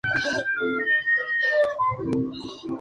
Desde entonces, ha competido semi-regularmente para la promoción.